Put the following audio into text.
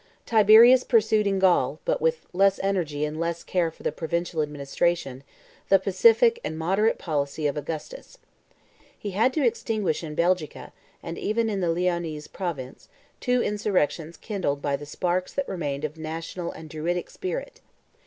Tiberius pursued in Gaul, but with less energy and less care for the provincial administration, the pacific and moderate policy of Augustus. He had to extinguish in Belgica, and even in the Lyonnese province, two insurrections kindled by the sparks that remained of national and Druidic spirit.